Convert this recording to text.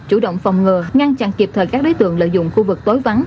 chủ động phòng ngừa ngăn chặn kịp thời các đối tượng lợi dụng khu vực tối vắng